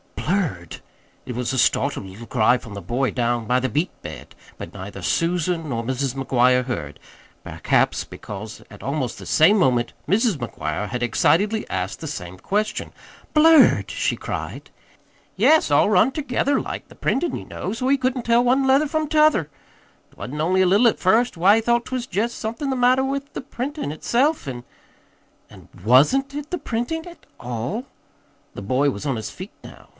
"Blurred?" It was a startled little cry from the boy down by the beet bed; but neither Susan nor Mrs. McGuire heard perhaps because at almost the same moment Mrs. McGuire had excitedly asked the same question. "Blurred?" she cried. "Yes; all run tergether like the printin', ye know so he couldn't tell one letter from t'other. 'T wa'n't only a little at first. Why, he thought 't was jest somethin' the matter with the printin' itself; an' " "And WASN'T it the printing at ALL?" The boy was on his feet now.